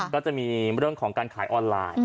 ก็จะมีเรื่องของการขายออนไลน์